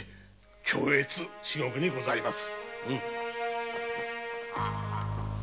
恐悦至極にございます。